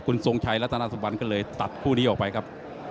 คุณทรงชัยรัฐนาสุบันก็เลยตัดคู่นี้ออกไปครับ